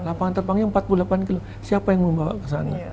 lapangan terbangnya empat puluh delapan kilo siapa yang membawa ke sana